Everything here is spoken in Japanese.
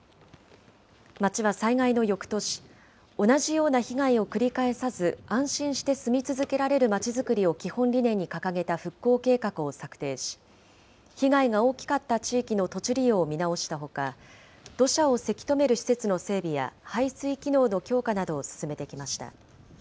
町は災害のよくとし、同じような被害を繰り返さず、安心して住み続けられるまちづくりを基本理念に掲げた復興計画を策定し、被害が大きかった地域の土地利用を見直したほか、土砂をせきとめる施設の整備や排水機能の強化などを進めてきました。